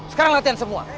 sekarang latihan semua